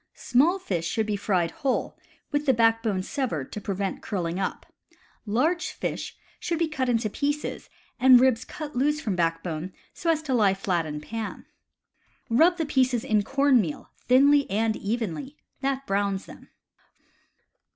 Small fish should be fried whole, with the backbone severed to prevent curling up ; large fish should be cut into pieces, and ribs cut loose from backbone, so as to lie flat in pan. Rub the pieces in corn meal, thinly and CAMP COOKERY 133 evenly (that browns them).